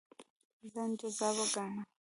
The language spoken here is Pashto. ځان جذاب ګاڼه.